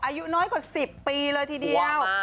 อายุน้อยกว่า๑๐ปีเลยทีเดียว